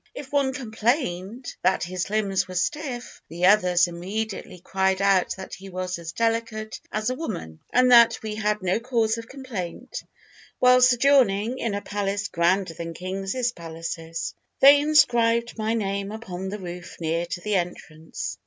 If one complained that his limbs were stiff, the others immediately cried out that he was as delicate as a woman, and that we had no cause of complaint while sojourning in a palace grander than kings' palaces. They inscribed my name upon the roof near to the entrance.